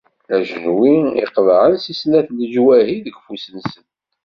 Ajenwi iqeḍɛen si snat n leǧwahi deg ufus-nsen.